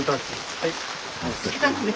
はい。